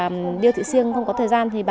bà điêu thị siêng không có thời gian thì bà